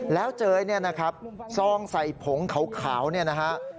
แล้วเจอเนี่ยนะครับซองใส่ผงขาวเนี่ยนะฮะ